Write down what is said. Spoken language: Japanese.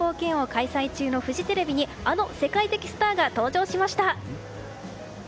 開催中のフジテレビにあの世界的スターが登場しました。